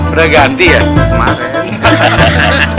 udah ganti ya kemaren